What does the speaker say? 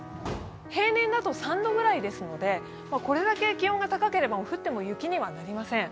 平年だと３度ぐらいですのでこれだけ気温が高ければ、降っても雪にはなりません。